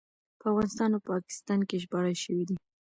په افغانستان او پاکستان کې ژباړل شوی دی.